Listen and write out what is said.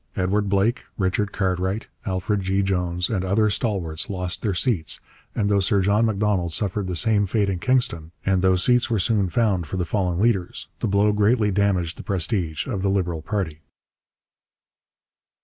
Edward Blake, Richard Cartwright, Alfred G. Jones, and other stalwarts lost their seats, and though Sir John Macdonald suffered the same fate in Kingston, and though seats were soon found for the fallen leaders, the blow greatly damaged the prestige of the Liberal party.